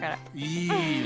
いいね。